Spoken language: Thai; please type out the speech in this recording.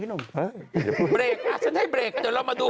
เบลกฉันให้เบลกเดี๋ยวเรามาดู